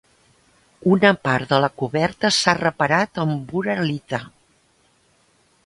Una part de la coberta s'ha reparat amb uralita.